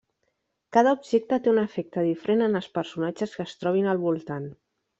Cada objecte té un efecte diferent en els personatges que es trobin al voltant.